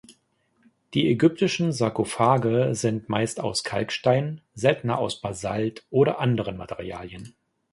Die ägyptischen Sarkophage sind meist aus Kalkstein, seltener aus Basalt oder anderen Materialien.